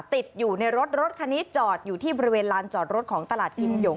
ติดอยู่ในรถรถคันนี้จอดอยู่ที่บริเวณลานจอดรถของตลาดกิมหยง